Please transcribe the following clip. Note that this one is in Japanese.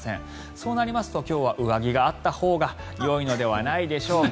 そうなりますと今日は上着があったほうがよいのではないでしょうか。